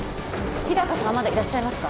日高さんはまだいらっしゃいますか？